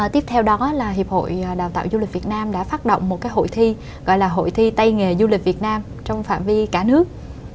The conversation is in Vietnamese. tiếp theo đó là hiệp hội đào tạo du lịch việt nam đã phát động một hội thi gọi là hội thi tay nghề du lịch việt nam trong phạm vi cả nước